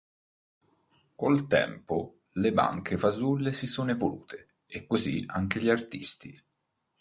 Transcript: Col tempo le banche fasulle si sono evolute, e così anche gli Artisti.